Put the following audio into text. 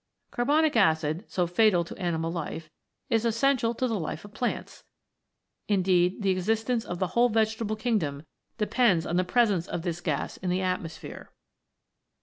Carbonic acid, so fatal to animal life, is essential to the life of plants ; indeed the existence of the whole vegetable kingdom depends on the presence of this gas in the atmosphere.